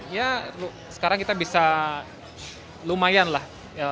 ya sekarang kita bisa lumayan lah